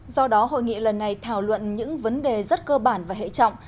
do đó hội nghị lần này thảo luận những vấn đề rất cơ bản và hệ trọng